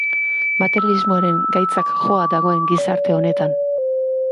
Materialismoaren gaitzak joa dagoen gizarte honetan.